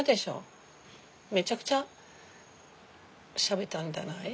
めちゃくちゃしゃべったんじゃない？